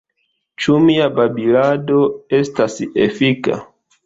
Ĉu mia babilado estas efika?